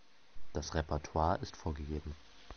Das Repertoire ist vorgegeben.